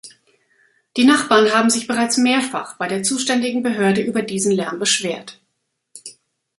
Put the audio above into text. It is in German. Die Nachbarn haben sich bereits mehrfach bei der zuständigen Behörde über diesen Lärm beschwert.